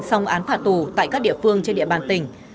xong án phạt tù tại các địa phương trên địa bàn tỉnh